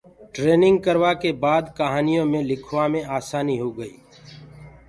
ٽرينگ ڪروآ ڪي باد ڪهانيونٚ مي لِکوآ مي آساني هوگئي۔